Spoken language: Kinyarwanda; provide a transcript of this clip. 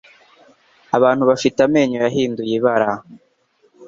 Abantu bafite amenyo yahinduye ibara,